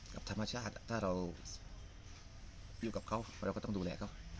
กับธรรมชาติถ้าเราอยู่กับเขาเราก็ต้องดูแลเขา